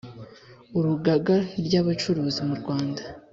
Urugagary Abacuruzi Mu Rwanda